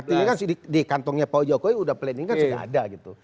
artinya kan di kantongnya pak jokowi udah planning kan sudah ada gitu